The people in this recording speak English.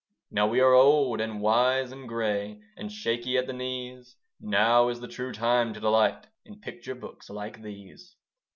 Now we are old and wise and grey, And shaky at the knees; Now is the true time to delight In picture books like these.